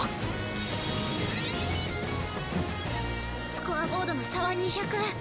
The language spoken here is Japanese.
スコアボードの差は２００。